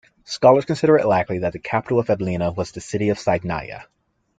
Scholars consider it likely that the capital of Abilene was the city of Saidnaya.